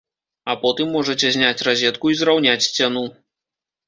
А потым можаце зняць разетку і зраўняць сцяну.